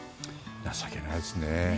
情けないですね。